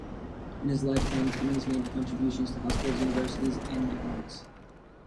In his lifetime, Cummings made contributions to hospitals, universities, and the arts.